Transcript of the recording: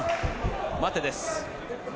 待てです。